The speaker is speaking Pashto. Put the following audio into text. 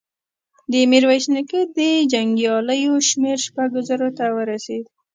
د ميرويس نيکه د جنګياليو شمېر شپږو زرو ته ورسېد.